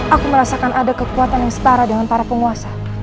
aku merasakan ada kekuatan yang setara dengan para penguasa